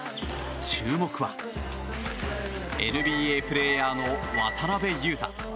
注目はＮＢＡプレーヤーの渡邊雄太。